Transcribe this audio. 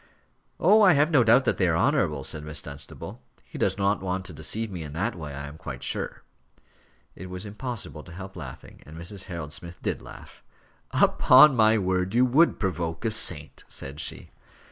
"Oh! I have no doubt that they are honourable," said Miss Dunstable. "He does not want to deceive me in that way, I am quite sure." It was impossible to help laughing, and Mrs. Harold Smith did laugh. "Upon my word, you would provoke a saint," said she.